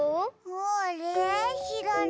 あれしらない。